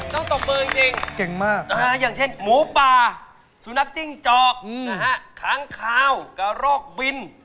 เจ้าตบเบอร์จริงอย่างเช่นหมูป่าสุนัขจิ้งจอกนะฮะค้างคาวกะรอกบิน